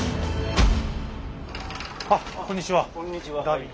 あこんにちは。